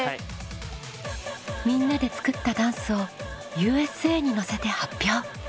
みんなで作ったダンスを「Ｕ．Ｓ．Ａ．」にのせて発表！